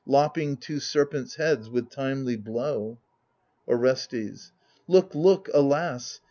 Lopping two serpents' heads with timely blow, Orestes Look, look, alas